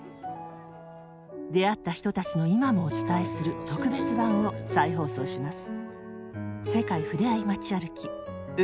出会った人たちの今もお伝えする特別版を再放送します。